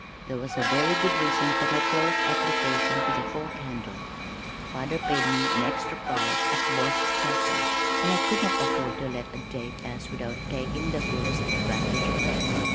There was a very good reason for my close application to the fork handle. Father paid me an extra price as "boss stacker," and I could not afford to let a day pass without taking the fullest advantage of it.